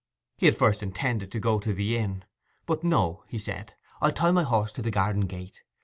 He had first intended to go on to the inn; but 'No,' he said; 'I'll tie my horse to the garden gate.